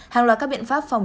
hàng loạt các biện pháp phòng